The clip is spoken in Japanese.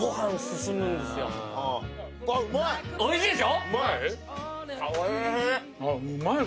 おいしいでしょ？